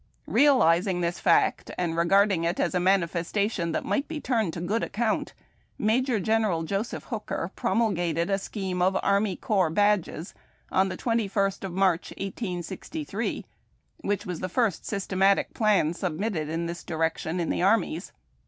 Realizing this fact, and regarding it as a manifestation that might be turned to good account, ^Major General Joseph Hooker promulgated a scheme of army corps badges on the 21st of March, 1863, which was the iirst systematic plan submitted in this direction in the armies.